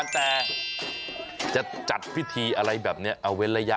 แต่จะจัดพิธีอะไรแบบนี้เอาเว้นระยะ